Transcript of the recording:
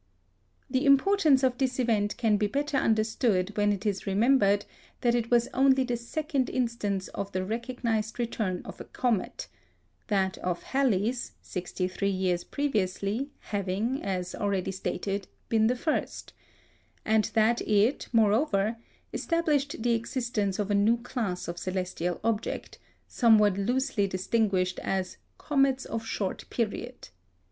The importance of this event can be better understood when it is remembered that it was only the second instance of the recognised return of a comet (that of Halley's, sixty three years previously, having, as already stated, been the first); and that it, moreover, established the existence of a new class of celestial objects, somewhat loosely distinguished as "comets of short period."